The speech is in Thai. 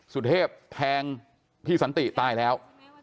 สุเทพแทงพี่สันติตายแล้ว